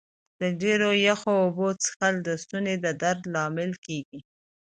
د ډېرو یخو اوبو څښل د ستوني د درد لامل کېږي.